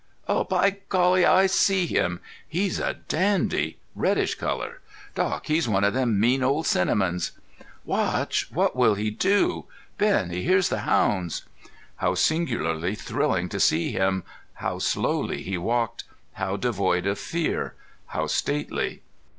By Golly! I see him. He's a dandy. Reddish color.... Doc, he's one of them mean old cinnamons." "Watch! What will he do? Ben, he hears the hounds." How singularly thrilling to see him, how slowly he walked, how devoid of fear, how stately!